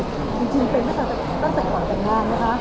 จริงจึงตั้งแต่กว่าจังงานนะคะ